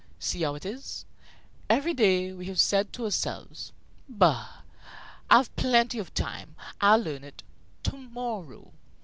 See how it is! Every day we have said to ourselves: 'Bah! I've plenty of time. I'll learn it to morrow.'